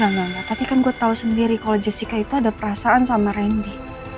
enggak enggak tapi kan gue tahu sendiri kalau jessica itu ada perasaan sama randy